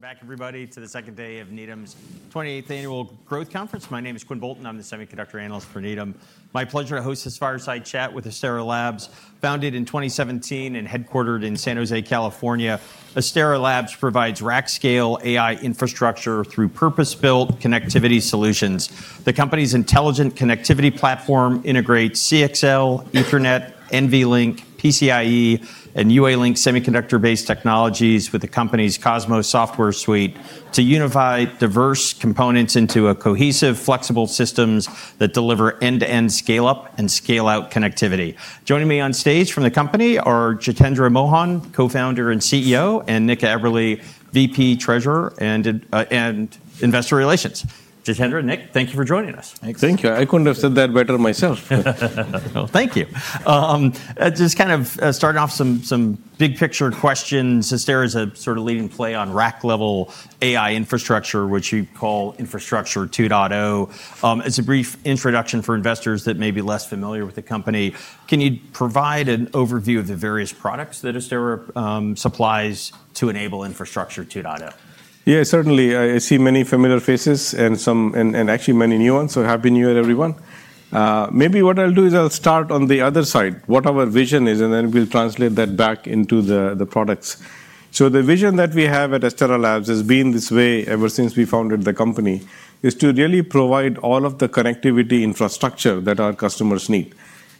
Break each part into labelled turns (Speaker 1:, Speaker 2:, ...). Speaker 1: Back, everybody, to the second day of Needham's 28th Annual Growth Conference. My name is Quinn Bolton. I'm the semiconductor analyst for Needham. It's my pleasure to host this fireside chat with Astera Labs, founded in 2017 and headquartered in San Jose, California. Astera Labs provides rack-scale AI infrastructure through purpose-built connectivity solutions. The company's intelligent connectivity platform integrates CXL, Ethernet, NVLink, PCIe, and UALink semiconductor-based technologies with the company's Cosmos software suite to unify diverse components into cohesive, flexible systems that deliver end-to-end scale-up and scale-out connectivity. Joining me on stage from the company are Jitendra Mohan, Co-founder and CEO, and Nick Aberle, VP, Treasurer and Investor Relations. Jitendra and Nick, thank you for joining us.
Speaker 2: Thank you. I couldn't have said that better myself.
Speaker 1: Thank you. Just kind of starting off with some big-picture questions. Astera is a sort of leading play on rack-level AI infrastructure, which we call Infrastructure 2.0. It's a brief introduction for investors that may be less familiar with the company. Can you provide an overview of the various products that Astera supplies to enable Infrastructure 2.0?
Speaker 2: Yeah, certainly. I see many familiar faces and actually many new ones. So happy new year, everyone. Maybe what I'll do is I'll start on the other side, what our vision is, and then we'll translate that back into the products. So the vision that we have at Astera Labs has been this way ever since we founded the company, is to really provide all of the connectivity infrastructure that our customers need.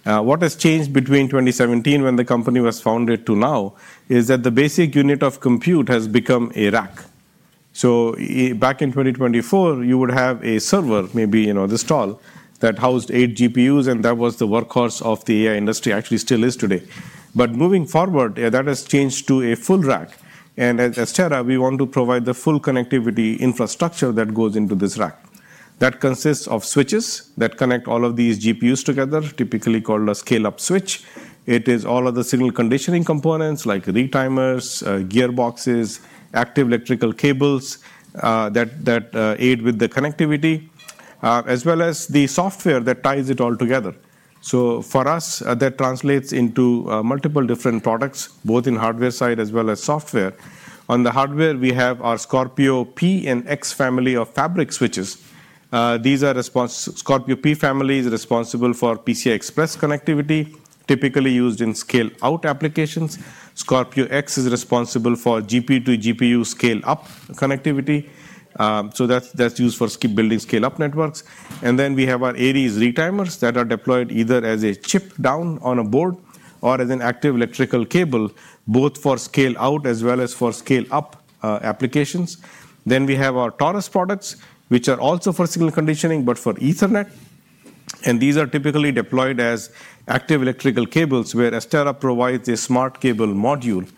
Speaker 2: What has changed between 2017 when the company was founded to now is that the basic unit of compute has become a rack. So back in 2024, you would have a server, maybe the shelf, that housed eight GPUs, and that was the workhorse of the AI industry, actually still is today. But moving forward, that has changed to a full rack. At Astera, we want to provide the full connectivity infrastructure that goes into this rack. That consists of switches that connect all of these GPUs together, typically called a scale-up switch. It is all of the signal conditioning components like retimers, gearboxes, active electrical cables that aid with the connectivity, as well as the software that ties it all together. So for us, that translates into multiple different products, both in hardware side as well as software. On the hardware, we have our Scorpio P and X family of fabric switches. These are Scorpio P families responsible for PCI Express connectivity, typically used in scale-out applications. Scorpio X is responsible for GPU to GPU scale-up connectivity. That's used for building scale-up networks. And then we have our Aries retimers that are deployed either as a chip down on a board or as an active electrical cable, both for scale-out as well as for scale-up applications. Then we have our Taurus products, which are also for signal conditioning, but for Ethernet. And these are typically deployed as active electrical cables, where Astera provides a smart cable module.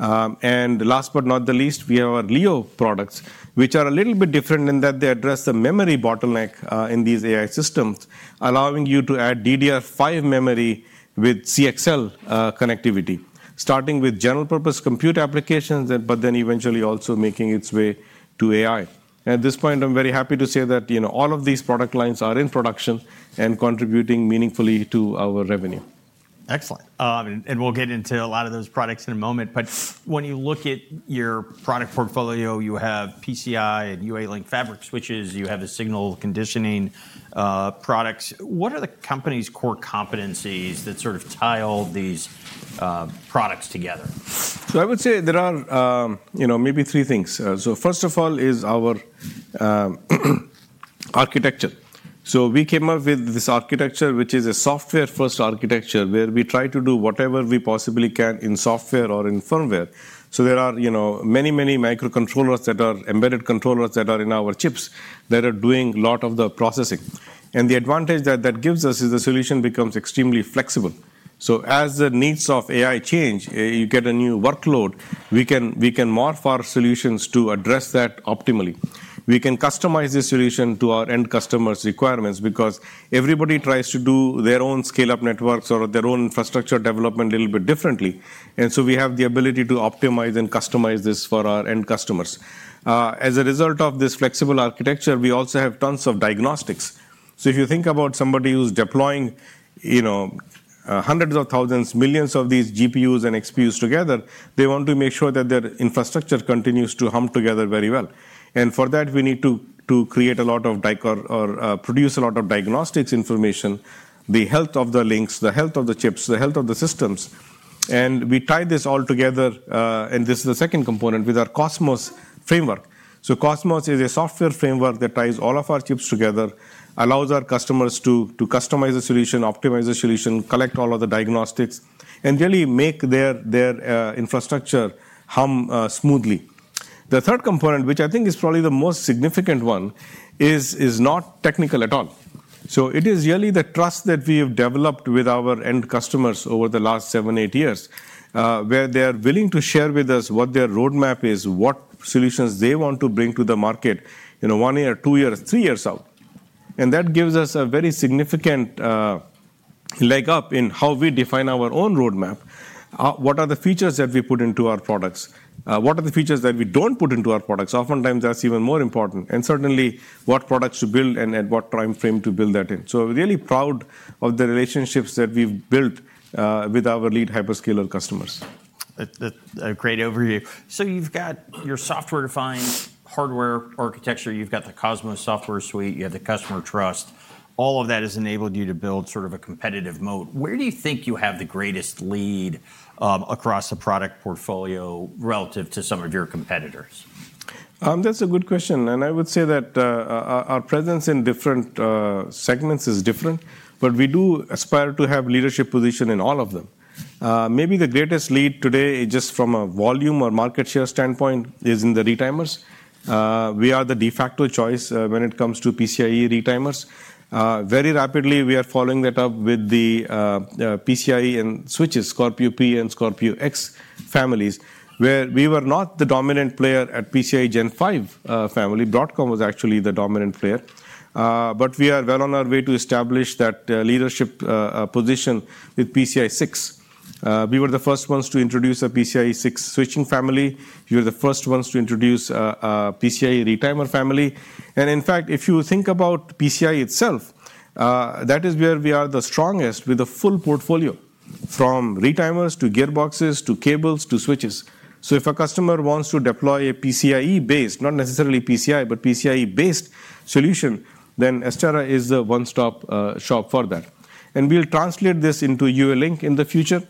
Speaker 2: And last but not the least, we have our Leo products, which are a little bit different in that they address the memory bottleneck in these AI systems, allowing you to add DDR5 memory with CXL connectivity, starting with general-purpose compute applications, but then eventually also making its way to AI. At this point, I'm very happy to say that all of these product lines are in production and contributing meaningfully to our revenue.
Speaker 1: Excellent. And we'll get into a lot of those products in a moment. But when you look at your product portfolio, you have PCIe and UA-Link fabric switches. You have the signal conditioning products. What are the company's core competencies that sort of tie all these products together?
Speaker 2: So I would say there are maybe three things. So first of all is our architecture. So we came up with this architecture, which is a software-first architecture, where we try to do whatever we possibly can in software or in firmware. So there are many, many microcontrollers that are embedded controllers that are in our chips that are doing a lot of the processing. And the advantage that that gives us is the solution becomes extremely flexible. So as the needs of AI change, you get a new workload, we can morph our solutions to address that optimally. We can customize this solution to our end customer's requirements because everybody tries to do their own scale-up networks or their own infrastructure development a little bit differently. And so we have the ability to optimize and customize this for our end customers. As a result of this flexible architecture, we also have tons of diagnostics, so if you think about somebody who's deploying hundreds of thousands, millions of these GPUs and XPUs together, they want to make sure that their infrastructure continues to hum together very well, and for that, we need to create a lot of or produce a lot of diagnostics information, the health of the links, the health of the chips, the health of the systems, and we tie this all together, and this is the second component, with our Cosmos framework, so Cosmos is a software framework that ties all of our chips together, allows our customers to customize the solution, optimize the solution, collect all of the diagnostics, and really make their infrastructure hum smoothly. The third component, which I think is probably the most significant one, is not technical at all. It is really the trust that we have developed with our end customers over the last seven, eight years, where they are willing to share with us what their roadmap is, what solutions they want to bring to the market one year, two years, three years out. And that gives us a very significant leg up in how we define our own roadmap, what are the features that we put into our products, what are the features that we don't put into our products. Oftentimes, that's even more important. And certainly, what products to build and at what time frame to build that in. So I'm really proud of the relationships that we've built with our lead hyperscaler customers.
Speaker 1: That's a great overview. So you've got your software-defined hardware architecture. You've got the Cosmos software suite. You have the customer trust. All of that has enabled you to build sort of a competitive moat. Where do you think you have the greatest lead across the product portfolio relative to some of your competitors?
Speaker 2: That's a good question. And I would say that our presence in different segments is different, but we do aspire to have a leadership position in all of them. Maybe the greatest lead today, just from a volume or market share standpoint, is in the retimers. We are the de facto choice when it comes to PCIe retimers. Very rapidly, we are following that up with the PCIe and switches, Scorpio P and Scorpio X families, where we were not the dominant player at PCIe Gen 5 family. Broadcom was actually the dominant player. But we are well on our way to establish that leadership position with PCIe 6. We were the first ones to introduce a PCIe 6 switching family. We were the first ones to introduce a PCIe retimer family. And in fact, if you think about PCIe itself, that is where we are the strongest with a full portfolio from retimers to gearboxes to cables to switches. So if a customer wants to deploy a PCIe-based, not necessarily PCI, but PCIe-based solution, then Astera is the one-stop shop for that. And we'll translate this into UA-Link in the future,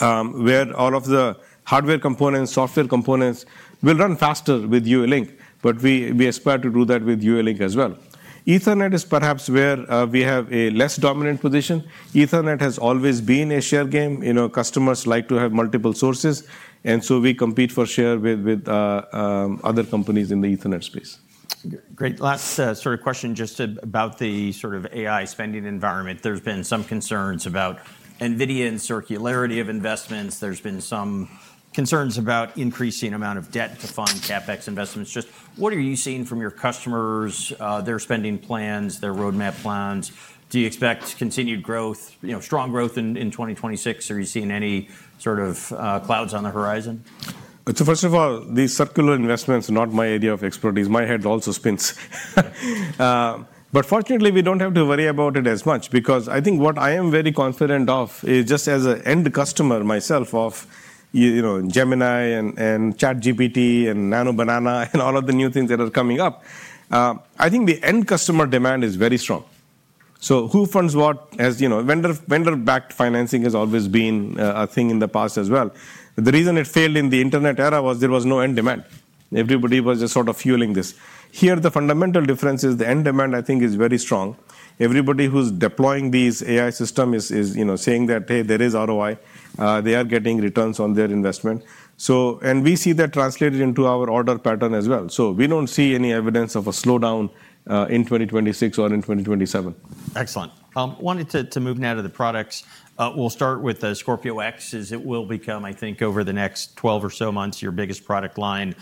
Speaker 2: where all of the hardware components, software components will run faster with UA-Link. But we aspire to do that with UA-Link as well. Ethernet is perhaps where we have a less dominant position. Ethernet has always been a share game. Customers like to have multiple sources. And so we compete for share with other companies in the Ethernet space.
Speaker 1: Great. Last sort of question just about the sort of AI spending environment. There's been some concerns about NVIDIA and circularity of investments. There's been some concerns about increasing the amount of debt to fund CapEx investments. Just what are you seeing from your customers, their spending plans, their roadmap plans? Do you expect continued growth, strong growth in 2026? Are you seeing any sort of clouds on the horizon?
Speaker 2: So first of all, these circular investments are not my area of expertise. My head also spins, but fortunately, we don't have to worry about it as much because I think what I am very confident of is just as an end customer myself of Gemini and ChatGPT and Meta Llama and all of the new things that are coming up. I think the end customer demand is very strong, so who funds what? Vendor-backed financing has always been a thing in the past as well. The reason it failed in the internet era was there was no end demand. Everybody was just sort of fueling this. Here, the fundamental difference is the end demand, I think, is very strong. Everybody who's deploying these AI systems is saying that, hey, there is ROI. They are getting returns on their investment, and we see that translated into our order pattern as well. So we don't see any evidence of a slowdown in 2026 or in 2027.
Speaker 1: Excellent. Wanted to move now to the products. We'll start with Scorpio X, as it will become, I think, over the next 12 or so months, your biggest product line.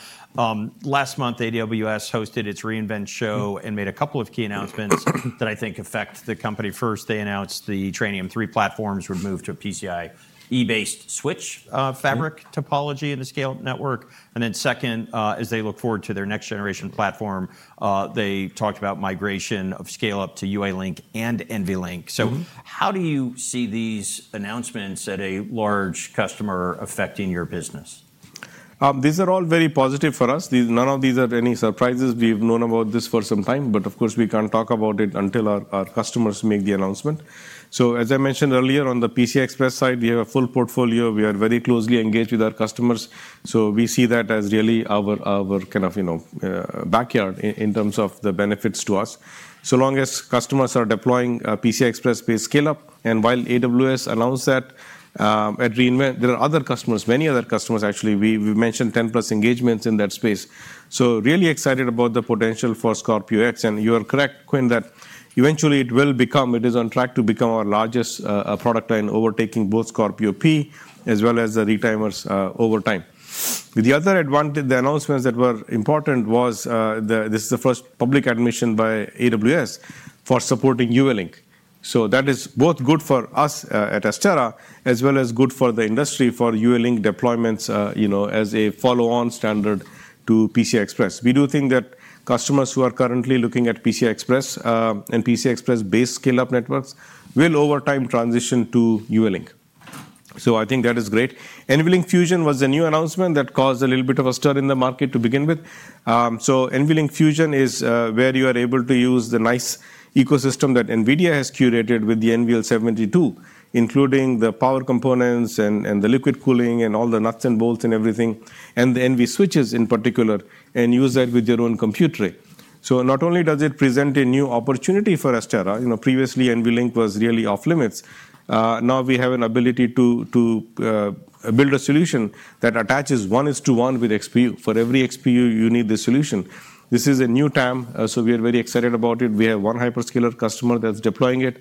Speaker 1: Last month, AWS hosted its re:Invent show and made a couple of key announcements that I think affect the company. First, they announced the Trainium3 platforms were moved to a PCIe-based switch fabric topology in the scale-up network. And then second, as they look forward to their next-generation platform, they talked about migration of scale-up to UA-Link and NVLink. So how do you see these announcements at a large customer affecting your business?
Speaker 2: These are all very positive for us. None of these are any surprises. We've known about this for some time. But of course, we can't talk about it until our customers make the announcement. So as I mentioned earlier, on the PCI Express side, we have a full portfolio. We are very closely engaged with our customers. So we see that as really our kind of backyard in terms of the benefits to us. So long as customers are deploying PCI Express-based scale-up, and while AWS announced that at re:Invent, there are other customers, many other customers, actually. We mentioned 10-plus engagements in that space. So really excited about the potential for Scorpio X. And you are correct, Quinn, that eventually it will become, it is on track to become our largest product line, overtaking both Scorpio P as well as the retimers over time. The other advantage, the announcements that were important was this is the first public admission by AWS for supporting UA-Link. So that is both good for us at Astera, as well as good for the industry for UA-Link deployments as a follow-on standard to PCI Express. We do think that customers who are currently looking at PCI Express and PCI Express-based scale-up networks will over time transition to UA-Link. So I think that is great. NVLink Fusion was a new announcement that caused a little bit of a stir in the market to begin with. So NVLink Fusion is where you are able to use the nice ecosystem that NVIDIA has curated with the NVL72, including the power components and the liquid cooling and all the nuts and bolts and everything, and the NV switches in particular, and use that with your own compute array. So, not only does it present a new opportunity for Astera. Previously, NVLink was really off-limits. Now we have an ability to build a solution that attaches one-to-one with XPU. For every XPU, you need the solution. This is a new TAM. So we are very excited about it. We have one hyperscaler customer that's deploying it.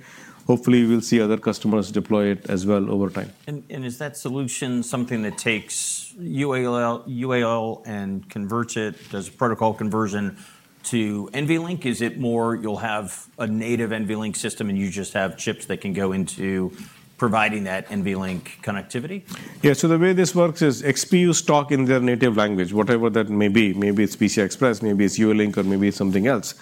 Speaker 2: Hopefully, we'll see other customers deploy it as well over time.
Speaker 1: Is that solution something that takes UA-Link and converts it, does a protocol conversion to NVLink? Is it more you'll have a native NVLink system and you just have chips that can go into providing that NVLink connectivity?
Speaker 2: Yeah. So the way this works is XPUs talk in their native language, whatever that may be. Maybe it's PCI Express, maybe it's UA-Link, or maybe it's something else.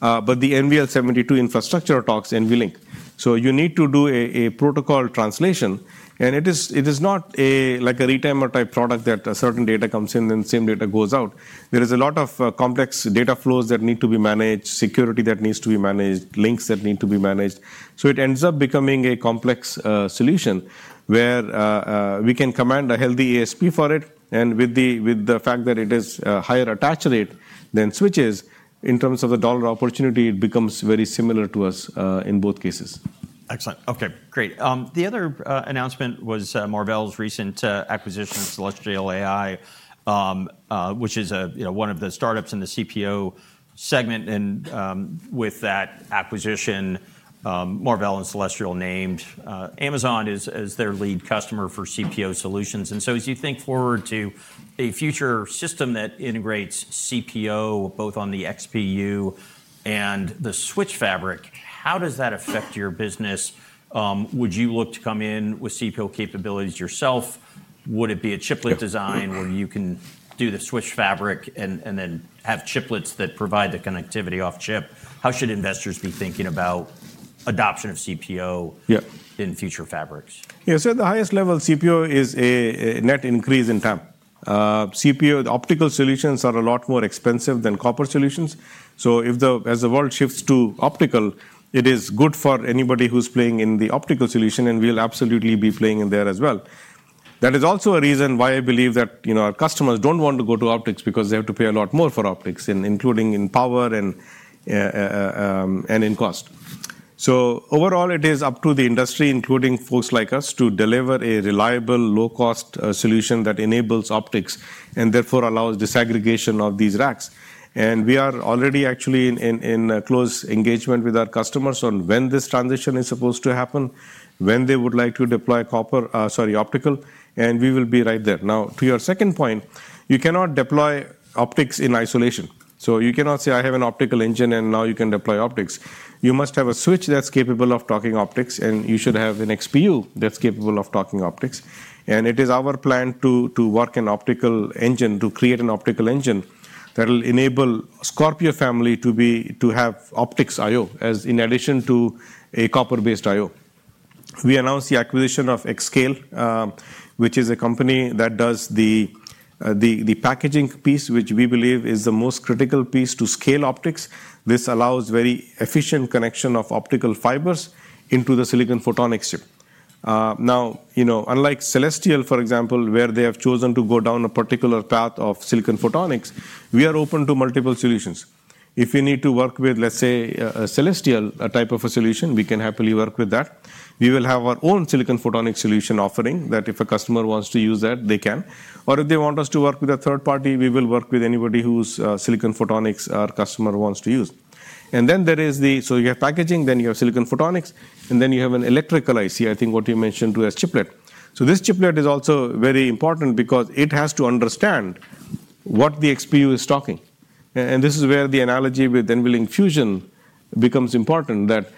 Speaker 2: But the NVL72 infrastructure talks NVLink. So you need to do a protocol translation. And it is not like a retimer type product that a certain data comes in and the same data goes out. There is a lot of complex data flows that need to be managed, security that needs to be managed, links that need to be managed. So it ends up becoming a complex solution where we can command a healthy ASP for it. And with the fact that it has a higher attach rate than switches, in terms of the dollar opportunity, it becomes very similar to us in both cases.
Speaker 1: Excellent. OK, great. The other announcement was Marvell's recent acquisition of Celestial AI, which is one of the startups in the CPO segment. And with that acquisition, Marvell and Celestial named Amazon as their lead customer for CPO solutions. And so as you think forward to a future system that integrates CPO both on the XPU and the switch fabric, how does that affect your business? Would you look to come in with CPO capabilities yourself? Would it be a chiplet design where you can do the switch fabric and then have chiplets that provide the connectivity off-chip? How should investors be thinking about adoption of CPO in future fabrics?
Speaker 2: Yeah. So at the highest level, CPO is a net increase in TAM. CPO optical solutions are a lot more expensive than copper solutions. So as the world shifts to optical, it is good for anybody who's playing in the optical solution, and we'll absolutely be playing in there as well. That is also a reason why I believe that our customers don't want to go to optics because they have to pay a lot more for optics, including in power and in cost. So overall, it is up to the industry, including folks like us, to deliver a reliable, low-cost solution that enables optics and therefore allows disaggregation of these racks, and we are already actually in close engagement with our customers on when this transition is supposed to happen, when they would like to deploy copper, sorry, optical, and we will be right there. Now, to your second point, you cannot deploy optics in isolation. So you cannot say, I have an optical engine, and now you can deploy optics. You must have a switch that's capable of talking optics, and you should have an XPU that's capable of talking optics. And it is our plan to work on an optical engine, to create an optical engine that will enable Scorpio family to have optics I/O as an addition to a copper-based I/O. We announced the acquisition of Xscape, which is a company that does the packaging piece, which we believe is the most critical piece to scale optics. This allows very efficient connection of optical fibers into the silicon photonics chip. Now, unlike Celestial, for example, where they have chosen to go down a particular path of silicon photonics, we are open to multiple solutions. If you need to work with, let's say, a Celestial type of a solution, we can happily work with that. We will have our own silicon photonics solution offering that if a customer wants to use that, they can. Or if they want us to work with a third party, we will work with anybody whose silicon photonics our customer wants to use. And then there is the, so you have packaging, then you have silicon photonics, and then you have an electrical IC, I think what you mentioned, who has chiplet. So this chiplet is also very important because it has to understand what the XPU is talking. And this is where the analogy with NVLink Fusion becomes important, that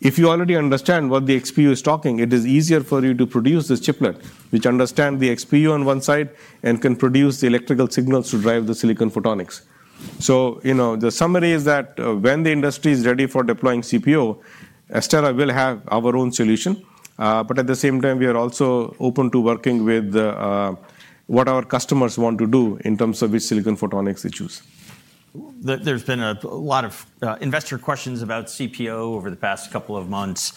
Speaker 2: if you already understand what the XPU is talking, it is easier for you to produce this chiplet, which understands the XPU on one side and can produce the electrical signals to drive the silicon photonics. So the summary is that when the industry is ready for deploying CPO, Astera will have our own solution. But at the same time, we are also open to working with what our customers want to do in terms of which silicon photonics they choose.
Speaker 1: There's been a lot of investor questions about CPO over the past couple of months.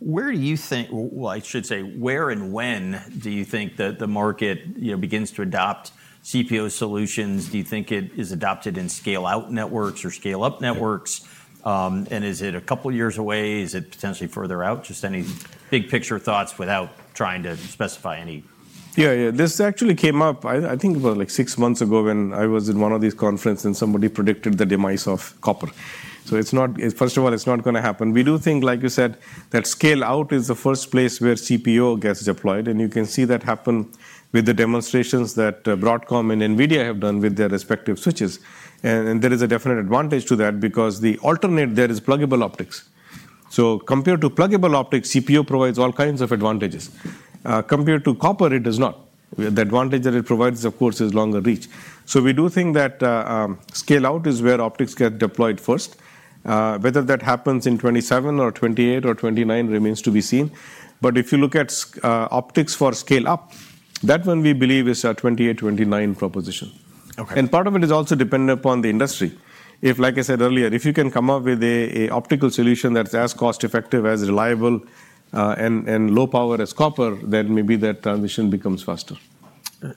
Speaker 1: Where do you think, well, I should say, where and when do you think that the market begins to adopt CPO solutions? Do you think it is adopted in scale-out networks or scale-up networks? And is it a couple of years away? Is it potentially further out? Just any big picture thoughts without trying to specify any.
Speaker 2: Yeah, yeah. This actually came up, I think, about like six months ago when I was in one of these conferences and somebody predicted the demise of copper. So first of all, it's not going to happen. We do think, like you said, that scale-out is the first place where CPO gets deployed. And you can see that happen with the demonstrations that Broadcom and NVIDIA have done with their respective switches. And there is a definite advantage to that because the alternate there is pluggable optics. So compared to pluggable optics, CPO provides all kinds of advantages. Compared to copper, it does not. The advantage that it provides, of course, is longer reach. So we do think that scale-out is where optics get deployed first. Whether that happens in 2027 or 2028 or 2029 remains to be seen. But if you look at optics for scale-up, that one we believe is our 2028, 2029 proposition. And part of it is also dependent upon the industry. If, like I said earlier, if you can come up with an optical solution that's as cost-effective, as reliable, and low-power as copper, then maybe that transition becomes faster.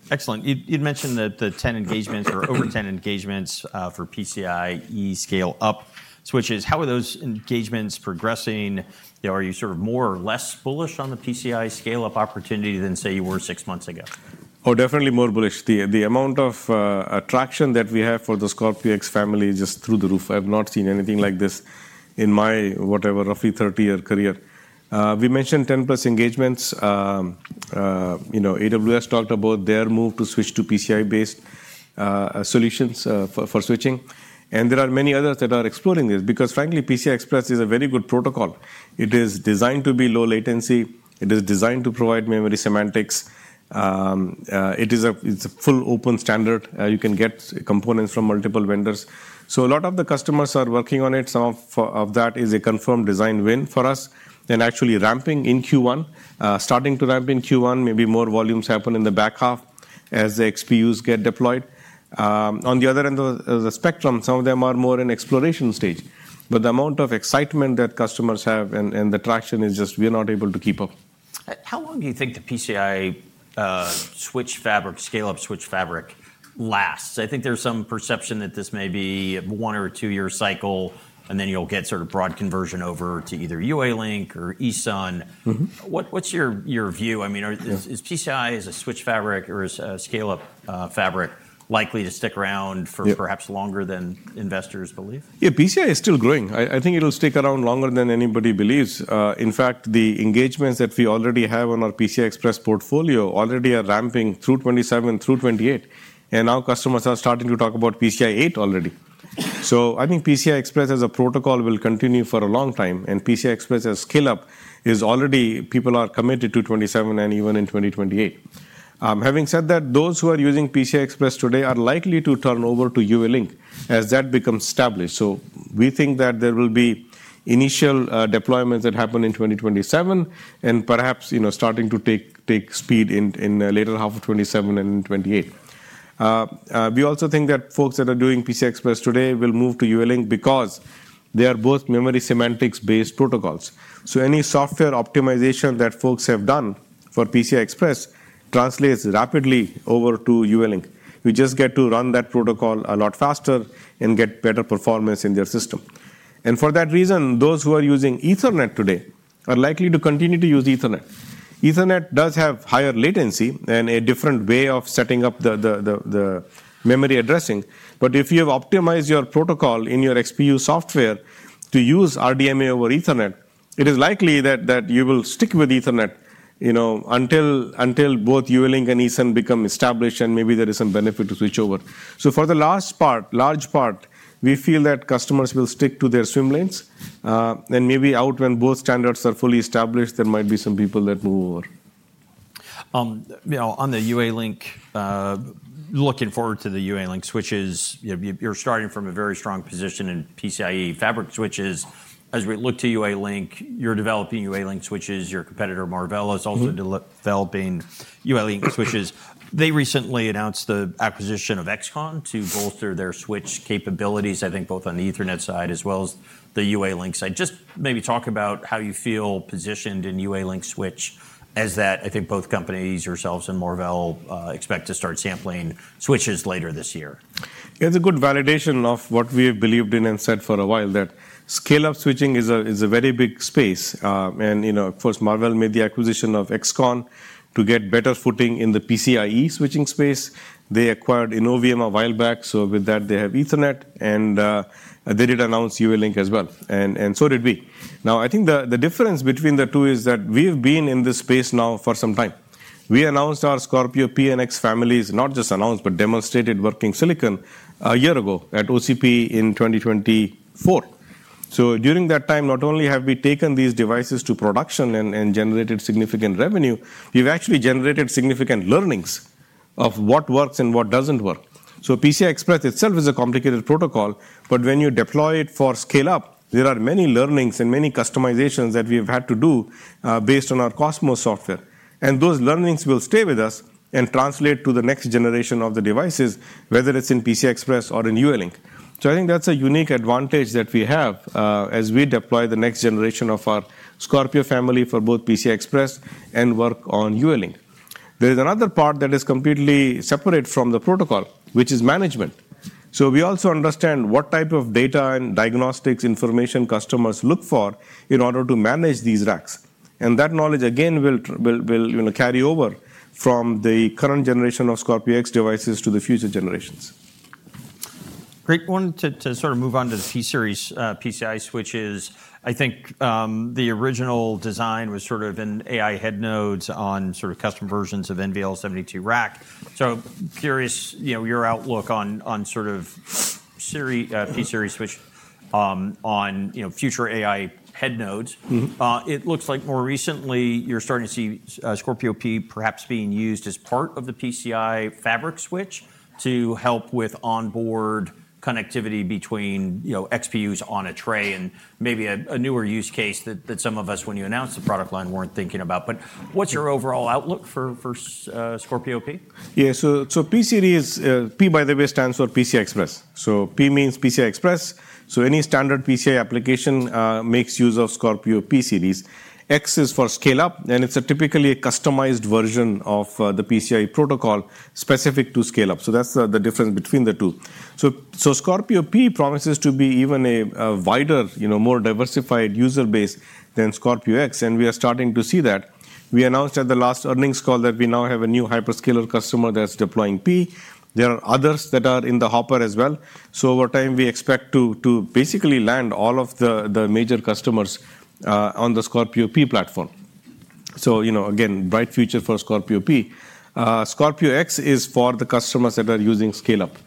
Speaker 1: Excellent. You'd mentioned that the 10 engagements or over 10 engagements for PCIe scale-up switches. How are those engagements progressing? Are you sort of more or less bullish on the PCIe scale-up opportunity than, say, you were six months ago?
Speaker 2: Oh, definitely more bullish. The amount of traction that we have for the Scorpio X family is just through the roof. I have not seen anything like this in my whatever roughly 30-year career. We mentioned 10-plus engagements. AWS talked about their move to switch to PCI-based solutions for switching, and there are many others that are exploring this because, frankly, PCI Express is a very good protocol. It is designed to be low latency. It is designed to provide memory semantics. It is a full open standard. You can get components from multiple vendors. So a lot of the customers are working on it. Some of that is a confirmed design win for us, and actually ramping in Q1, starting to ramp in Q1, maybe more volumes happen in the back half as the XPUs get deployed. On the other end of the spectrum, some of them are more in exploration stage, but the amount of excitement that customers have and the traction is just we are not able to keep up.
Speaker 1: How long do you think the PCIe switch fabric, scale-up switch fabric lasts? I think there's some perception that this may be a one or a two-year cycle, and then you'll get sort of broad conversion over to either UA-Link or EUC. What's your view? I mean, is PCIe as a switch fabric or as a scale-up fabric likely to stick around for perhaps longer than investors believe?
Speaker 2: Yeah, PCIe is still growing. I think it'll stick around longer than anybody believes. In fact, the engagements that we already have on our PCI Express portfolio already are ramping through 2027, through 2028. And now customers are starting to talk about PCIe 8 already. So I think PCI Express as a protocol will continue for a long time. And PCI Express as scale-up is already people are committed to 2027 and even in 2028. Having said that, those who are using PCI Express today are likely to turn over to UA-Link as that becomes established. So we think that there will be initial deployments that happen in 2027 and perhaps starting to take speed in the later half of 2027 and in 2028. We also think that folks that are doing PCI Express today will move to UA-Link because they are both memory semantics-based protocols. So any software optimization that folks have done for PCI Express translates rapidly over to UA-Link. We just get to run that protocol a lot faster and get better performance in their system. And for that reason, those who are using Ethernet today are likely to continue to use Ethernet. Ethernet does have higher latency and a different way of setting up the memory addressing. But if you have optimized your protocol in your XPU software to use RDMA over Ethernet, it is likely that you will stick with Ethernet until both UA-Link and EUC become established, and maybe there is some benefit to switch over. So for the last part, large part, we feel that customers will stick to their swim lanes. And maybe out when both standards are fully established, there might be some people that move over.
Speaker 1: On the UA-Link, looking forward to the UA-Link switches, you're starting from a very strong position in PCIe fabric switches. As we look to UA-Link, you're developing UA-Link switches. Your competitor Marvell is also developing UA-Link switches. They recently announced the acquisition of XConn to bolster their switch capabilities, I think both on the Ethernet side as well as the UA-Link side. Just maybe talk about how you feel positioned in UA-Link switch as that, I think both companies, yourselves and Marvell expect to start sampling switches later this year.
Speaker 2: Yeah, it's a good validation of what we have believed in and said for a while that scale-up switching is a very big space. And of course, Marvell made the acquisition of XConn to get better footing in the PCIe switching space. They acquired Innovium a while back. So with that, they have Ethernet. And they did announce UA-Link as well. And so did we. Now, I think the difference between the two is that we have been in this space now for some time. We announced our Scorpio P and X families, not just announced, but demonstrated working silicon a year ago at OCP in 2024. So during that time, not only have we taken these devices to production and generated significant revenue, we've actually generated significant learnings of what works and what doesn't work. So PCI Express itself is a complicated protocol. But when you deploy it for scale-up, there are many learnings and many customizations that we have had to do based on our Cosmos software. And those learnings will stay with us and translate to the next generation of the devices, whether it's in PCI Express or in UA-Link. So I think that's a unique advantage that we have as we deploy the next generation of our Scorpio family for both PCI Express and work on UA-Link. There is another part that is completely separate from the protocol, which is management. So we also understand what type of data and diagnostics information customers look for in order to manage these racks. And that knowledge, again, will carry over from the current generation of Scorpio X devices to the future generations.
Speaker 1: Great point to sort of move on to the P-Series PCIe switches. I think the original design was sort of in AI head nodes on sort of custom versions of NVL72 rack. So curious your outlook on sort of P-Series switch on future AI head nodes. It looks like more recently you're starting to see Scorpio P perhaps being used as part of the PCIe fabric switch to help with onboard connectivity between XPUs on a tray and maybe a newer use case that some of us, when you announced the product line, weren't thinking about. But what's your overall outlook for Scorpio P?
Speaker 2: Yeah, so P in P-Series, P by the way, stands for PCI Express. So P means PCI Express. So any standard PCI application makes use of Scorpio P-Series. X is for scale-up, and it's typically a customized version of the PCI protocol specific to scale-up. So that's the difference between the two. So Scorpio P promises to be even a wider, more diversified user base than Scorpio X. And we are starting to see that. We announced at the last earnings call that we now have a new hyperscaler customer that's deploying P. There are others that are in the hopper as well. So over time, we expect to basically land all of the major customers on the Scorpio P platform. So again, bright future for Scorpio P. Scorpio X is for the customers that are using scale-up.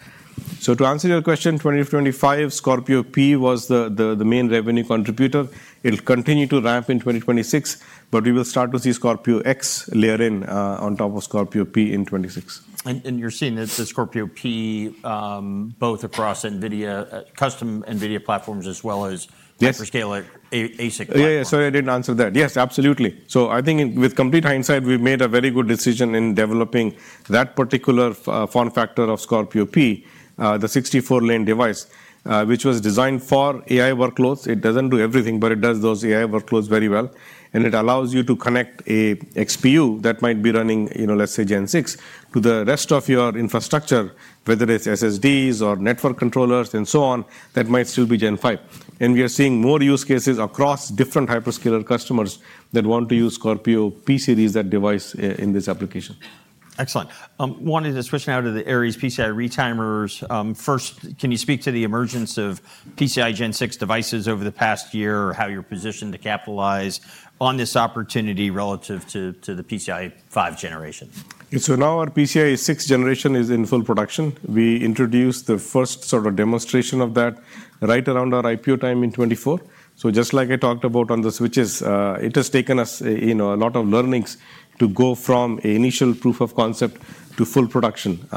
Speaker 2: So to answer your question, 2025, Scorpio P was the main revenue contributor. It'll continue to ramp in 2026, but we will start to see Scorpio X layer in on top of Scorpio P in 2026.
Speaker 1: And you're seeing the Scorpio P both across NVIDIA custom NVIDIA platforms as well as hyperscaler ASIC.
Speaker 2: Yeah, sorry, I didn't answer that. Yes, absolutely. So I think with complete hindsight, we made a very good decision in developing that particular form factor of Scorpio P, the 64-lane device, which was designed for AI workloads. It doesn't do everything, but it does those AI workloads very well. And it allows you to connect an XPU that might be running, let's say, Gen 6 to the rest of your infrastructure, whether it's SSDs or network controllers and so on, that might still be Gen 5. And we are seeing more use cases across different hyperscaler customers that want to use Scorpio P-Series, that device in this application.
Speaker 1: Excellent. One is switching out of the Aries PCIe retimers. First, can you speak to the emergence of PCIe Gen 6 devices over the past year or how you're positioned to capitalize on this opportunity relative to the PCIe 5 generation?
Speaker 2: So now our PCIe 6 generation is in full production. We introduced the first sort of demonstration of that right around our IPO time in 2024. So just like I talked about on the switches, it has taken us a lot of learnings to go from an initial proof of concept to full production.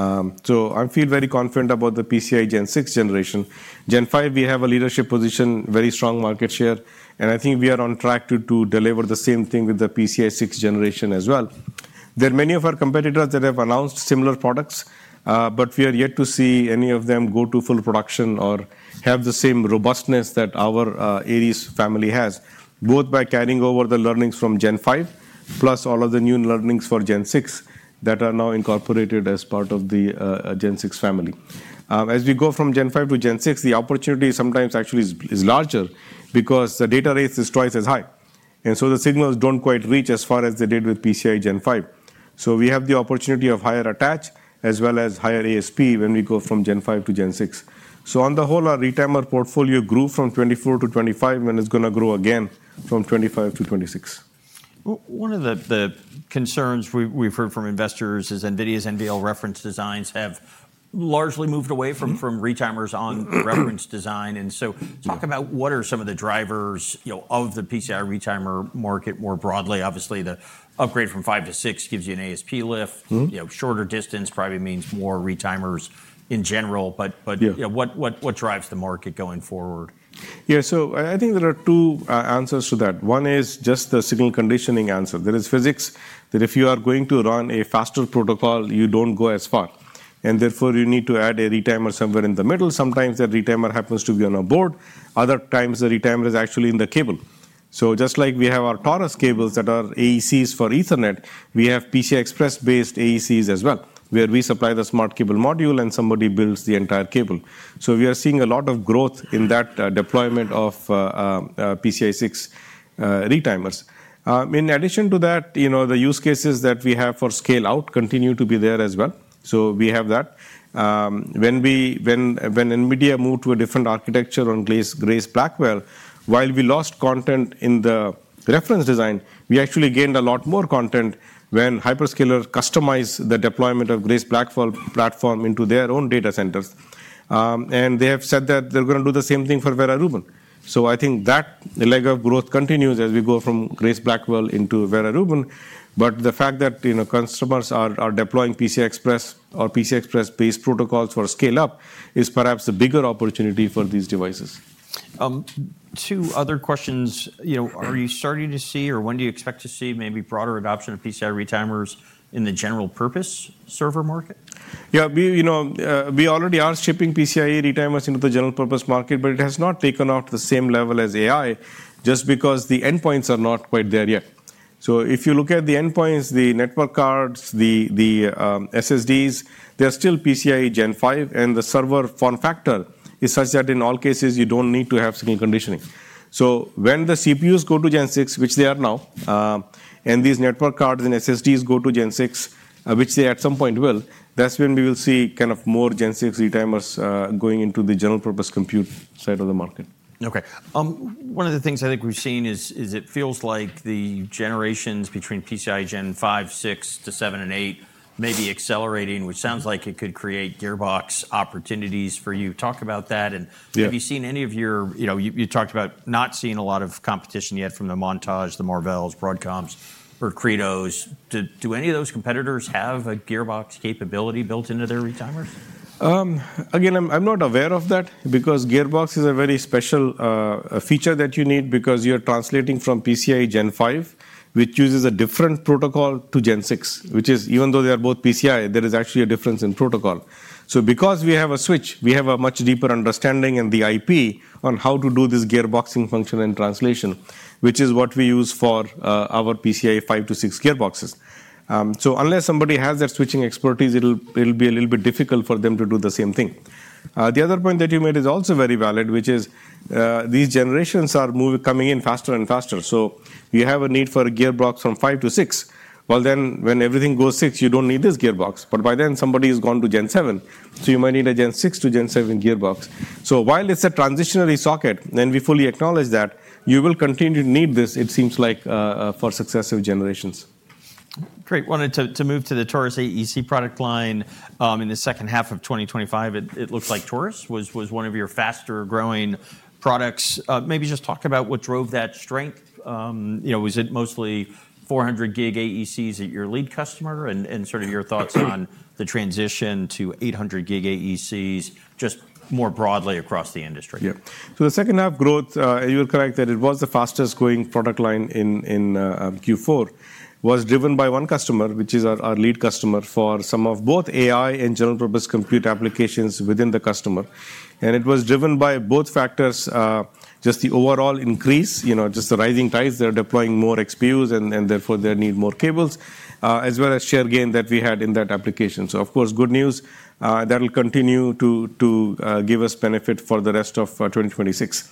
Speaker 2: So I feel very confident about the PCIe Gen 6. Gen 5, we have a leadership position, very strong market share. And I think we are on track to deliver the same thing with the PCIe 6 generation as well. There are many of our competitors that have announced similar products, but we are yet to see any of them go to full production or have the same robustness that our Aries family has, both by carrying over the learnings from PCIe Gen 5, plus all of the new learnings for PCIe Gen 6 that are now incorporated as part of the PCIe Gen 6 family. As we go from PCIe Gen 5 to PCIe Gen 6, the opportunity sometimes actually is larger because the data rate is twice as high, and so the signals don't quite reach as far as they did with PCIe Gen 5, so we have the opportunity of higher attach as well as higher ASP when we go from PCIe Gen 5 to PCIe Gen 6, so on the whole, our retimer portfolio grew from 2024 to 2025, and it's going to grow again from 2025 to 2026.
Speaker 1: One of the concerns we've heard from investors is NVIDIA's NVL reference designs have largely moved away from retimers on reference design. So talk about what are some of the drivers of the PCIe retimer market more broadly. Obviously, the upgrade from 5 to 6 gives you an ASP lift. Shorter distance probably means more retimers in general. But what drives the market going forward?
Speaker 2: Yeah, so I think there are two answers to that. One is just the signal conditioning answer. There is physics that if you are going to run a faster protocol, you don't go as far. And therefore, you need to add a retimer somewhere in the middle. Sometimes that retimer happens to be on a board. Other times, the retimer is actually in the cable. So just like we have our Taurus cables that are AECs for Ethernet, we have PCI Express-based AECs as well, where we supply the smart cable module and somebody builds the entire cable. So we are seeing a lot of growth in that deployment of PCI 6 retimers. In addition to that, the use cases that we have for scale-out continue to be there as well. So we have that. When NVIDIA moved to a different architecture on Grace Blackwell, while we lost content in the reference design, we actually gained a lot more content when hyperscalers customized the deployment of Grace Blackwell platform into their own data centers, and they have said that they're going to do the same thing for Vera Rubin, so I think that leg of growth continues as we go from Grace Blackwell into Vera Rubin, but the fact that customers are deploying PCI Express or PCI Express-based protocols for scale-up is perhaps the bigger opportunity for these devices.
Speaker 1: Two other questions. Are you starting to see or when do you expect to see maybe broader adoption of PCIe retimers in the general-purpose server market?
Speaker 2: Yeah, we already are shipping PCIe retimers into the general-purpose market, but it has not taken off to the same level as AI just because the endpoints are not quite there yet. So if you look at the endpoints, the network cards, the SSDs, they're still PCIe Gen 5. And the server form factor is such that in all cases, you don't need to have signal conditioning. So when the CPUs go to Gen 6, which they are now, and these network cards and SSDs go to Gen 6, which they at some point will, that's when we will see kind of more Gen 6 retimers going into the general-purpose compute side of the market.
Speaker 1: Okay. One of the things I think we've seen is it feels like the generations between PCIe Gen 5, 6, to 7, and 8 may be accelerating, which sounds like it could create gearbox opportunities for you. Talk about that and have you seen any of the competitors you talked about not seeing a lot of competition yet from the Montage, the Marvell, Broadcom, or Credo. Do any of those competitors have a gearbox capability built into their retimers?
Speaker 2: Again, I'm not aware of that because gearbox is a very special feature that you need because you're translating from PCIe Gen 5, which uses a different protocol to Gen 6, which, even though they are both PCI, there is actually a difference in protocol. So because we have a switch, we have a much deeper understanding in the IP on how to do this gearboxing function and translation, which is what we use for our PCIe 5 to 6 gearboxes. So unless somebody has that switching expertise, it'll be a little bit difficult for them to do the same thing. The other point that you made is also very valid, which is these generations are coming in faster and faster. So you have a need for a gearbox from 5 to 6, well, then when everything goes 6, you don't need this gearbox. But by then, somebody has gone to Gen 7. So you might need a Gen 6 to Gen 7 gearbox. So while it's a transitional socket, and we fully acknowledge that, you will continue to need this, it seems like, for successive generations.
Speaker 1: Great. Wanted to move to the Taurus AEC product line in the second half of 2025. It looks like Taurus was one of your faster-growing products. Maybe just talk about what drove that strength. Was it mostly 400-gig AECs at your lead customer and sort of your thoughts on the transition to 800-gig AECs just more broadly across the industry?
Speaker 2: Yeah. So the second half growth, you're correct that it was the fastest-growing product line in Q4 was driven by one customer, which is our lead customer for some of both AI and general-purpose compute applications within the customer. And it was driven by both factors, just the overall increase, just the rising ties. They're deploying more XPUs, and therefore, they need more cables, as well as share gain that we had in that application. So of course, good news. That'll continue to give us benefit for the rest of 2026.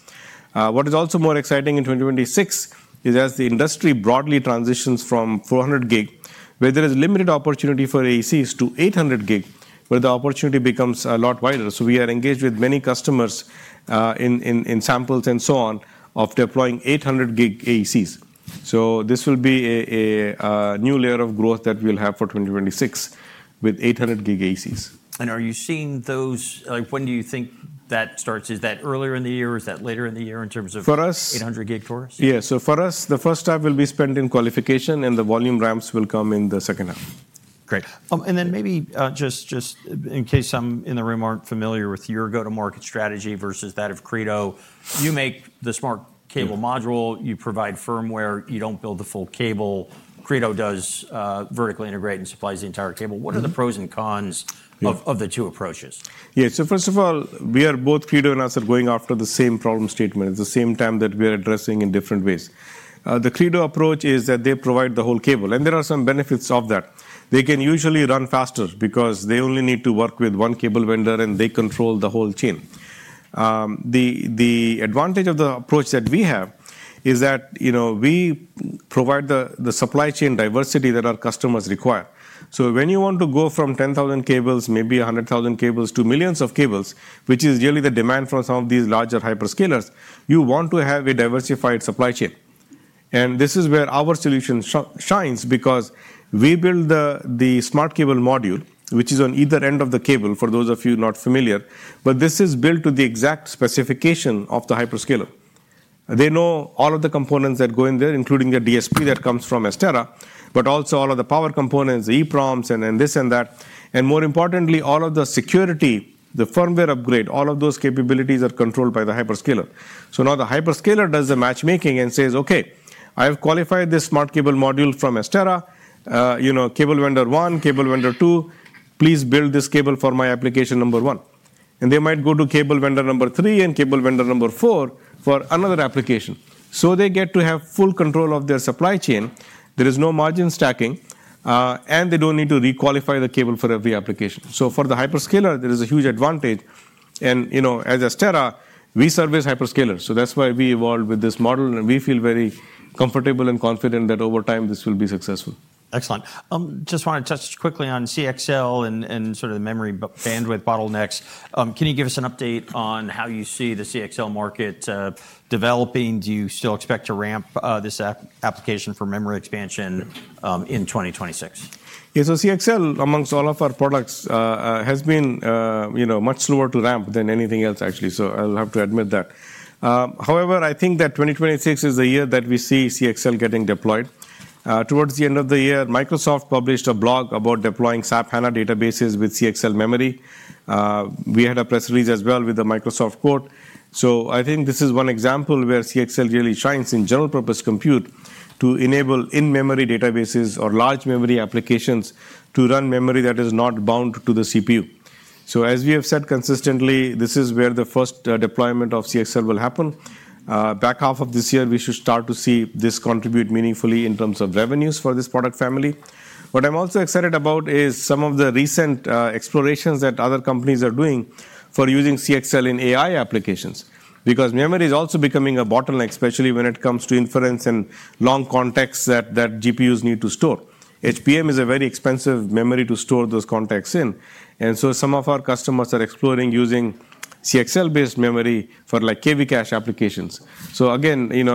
Speaker 2: What is also more exciting in 2026 is as the industry broadly transitions from 400-gig, where there is limited opportunity for AECs, to 800-gig, where the opportunity becomes a lot wider. So we are engaged with many customers in samples and so on of deploying 800-gig AECs. This will be a new layer of growth that we'll have for 2026 with 800-gig AECs.
Speaker 1: And are you seeing those? When do you think that starts? Is that earlier in the year? Is that later in the year in terms of 800-gig Taurus?
Speaker 2: For us? Yeah. So for us, the first half will be spent in qualification, and the volume ramps will come in the second half.
Speaker 1: Great. And then maybe just in case some in the room aren't familiar with your go-to-market strategy versus that of Credo. You make the Smart Cable Module. You provide firmware. You don't build the full cable. Credo does vertically integrate and supplies the entire cable. What are the pros and cons of the two approaches?
Speaker 2: Yeah. So first of all, we are both Credo and us are going after the same problem statement at the same time that we are addressing in different ways. The Credo approach is that they provide the whole cable, and there are some benefits of that. They can usually run faster because they only need to work with one cable vendor, and they control the whole chain. The advantage of the approach that we have is that we provide the supply chain diversity that our customers require. So when you want to go from 10,000 cables, maybe 100,000 cables, to millions of cables, which is really the demand for some of these larger hyperscalers, you want to have a diversified supply chain. And this is where our solution shines because we build the Smart Cable Module, which is on either end of the cable for those of you not familiar. But this is built to the exact specification of the hyperscaler. They know all of the components that go in there, including the DSP that comes from Astera, but also all of the power components, the EPROMs, and this and that. And more importantly, all of the security, the firmware upgrade, all of those capabilities are controlled by the hyperscaler. So now the hyperscaler does the matchmaking and says, "Okay, I have qualified this smart cable module from Astera, cable vendor one, cable vendor two. Please build this cable for my application number one." And they might go to cable vendor number three and cable vendor number four for another application. So they get to have full control of their supply chain. There is no margin stacking, and they don't need to requalify the cable for every application. So for the hyperscaler, there is a huge advantage. As Astera, we service hyperscalers. That's why we evolved with this model. We feel very comfortable and confident that over time, this will be successful.
Speaker 1: Excellent. Just want to touch quickly on CXL and sort of the memory bandwidth bottlenecks. Can you give us an update on how you see the CXL market developing? Do you still expect to ramp this application for memory expansion in 2026?
Speaker 2: Yeah. So CXL, among all of our products, has been much slower to ramp than anything else, actually. So I'll have to admit that. However, I think that 2026 is the year that we see CXL getting deployed. Towards the end of the year, Microsoft published a blog about deploying SAP HANA databases with CXL memory. We had a press release as well with the Microsoft quote. So I think this is one example where CXL really shines in general-purpose compute to enable in-memory databases or large memory applications to run memory that is not bound to the CPU. So as we have said consistently, this is where the first deployment of CXL will happen. Back half of this year, we should start to see this contribute meaningfully in terms of revenues for this product family. What I'm also excited about is some of the recent explorations that other companies are doing for using CXL in AI applications because memory is also becoming a bottleneck, especially when it comes to inference and long contexts that GPUs need to store. HBM is a very expensive memory to store those contexts in, and so some of our customers are exploring using CXL-based memory for KV cache applications, so again, we're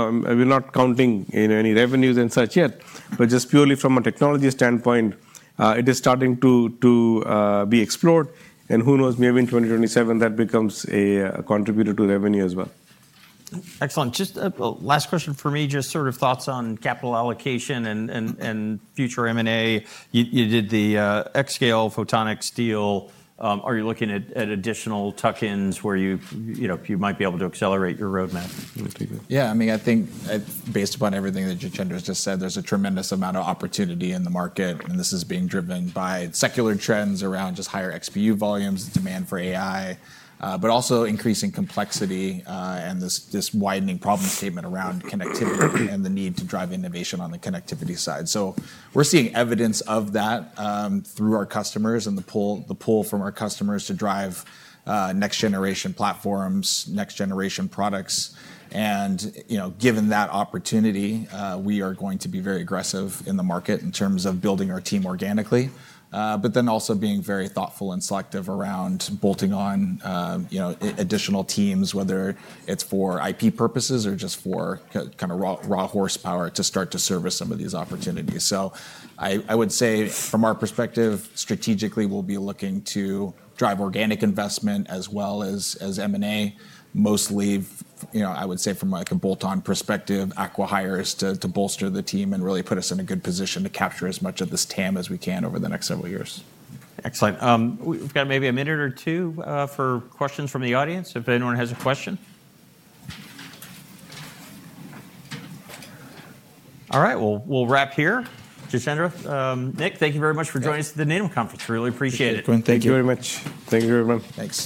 Speaker 2: not counting any revenues and such yet, but just purely from a technology standpoint, it is starting to be explored, and who knows, maybe in 2027, that becomes a contributor to revenue as well.
Speaker 1: Excellent. Just last question for me, just sort of thoughts on capital allocation and future M&A. You did the Xscale Photonics deal. Are you looking at additional tuck-ins where you might be able to accelerate your roadmap?
Speaker 3: Yeah. I mean, I think based upon everything that Jitendra has just said, there's a tremendous amount of opportunity in the market. And this is being driven by secular trends around just higher XPU volumes, demand for AI, but also increasing complexity and this widening problem statement around connectivity and the need to drive innovation on the connectivity side. So we're seeing evidence of that through our customers and the pull from our customers to drive next-generation platforms, next-generation products. And given that opportunity, we are going to be very aggressive in the market in terms of building our team organically, but then also being very thoughtful and selective around bolting on additional teams, whether it's for IP purposes or just for kind of raw horsepower to start to service some of these opportunities. So I would say from our perspective, strategically, we'll be looking to drive organic investment as well as M&A, mostly, I would say, from a bolt-on perspective, acqui-hires to bolster the team and really put us in a good position to capture as much of this TAM as we can over the next several years.
Speaker 1: Excellent. We've got maybe a minute or two for questions from the audience if anyone has a question. All right. Well, we'll wrap here. Jitendra, Nick, thank you very much for joining us at the Needham Conference. Really appreciate it.
Speaker 2: Thank you very much. Thank you, everyone.
Speaker 1: Thanks.